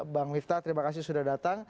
bang miftah terima kasih sudah datang